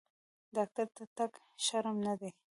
ډاکټر ته تګ شرم نه دی۔